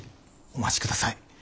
お待ちください。